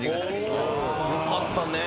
よかったね。